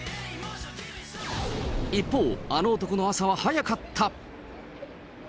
一方、あの男の朝は早かった。